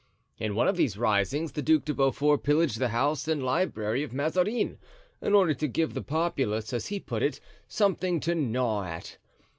In one of these risings, the Duc de Beaufort pillaged the house and library of Mazarin, in order to give the populace, as he put it, something to gnaw at.